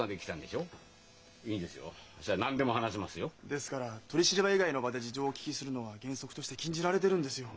ですから取り調べ以外の場で事情をお聞きするのは原則として禁じられてるんですよ。